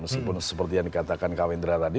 meskipun seperti yang dikatakan kawendra tadi